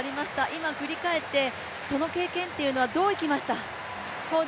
今、振り返って、その経験というのはどう生きました？